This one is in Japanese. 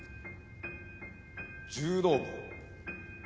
柔道部。